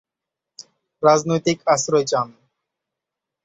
রাজনৈতিক আশ্রয় চান।